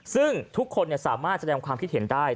ซึ่งทุกคนสามารถแสดงความคิดเห็นได้